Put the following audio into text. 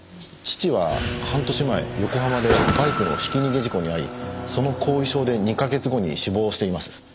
父は半年前横浜でバイクのひき逃げ事故に遭いその後遺症で２カ月後に死亡しています。